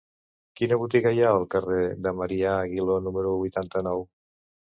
Quina botiga hi ha al carrer de Marià Aguiló número vuitanta-nou?